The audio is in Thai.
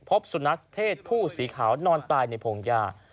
พบสุนัขเพศผู้สีขาวนอนตายในพงหญ้า